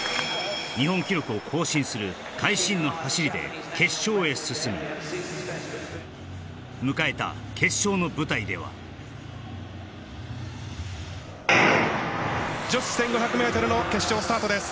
日本記録を更新する会心の走りで決勝へ進み迎えた決勝の舞台では女子１５００ｍの決勝スタートです